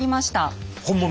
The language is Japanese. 本物。